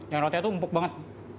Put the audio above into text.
yang rotenya tuh empuk banget